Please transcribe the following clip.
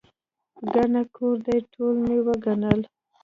ګڼه کور دی، ټول مې وګڼل.